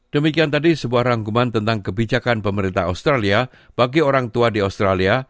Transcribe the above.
demikian tadi sebuah rangkuman tentang kebijakan pemerintah australia bagi orang tua di australia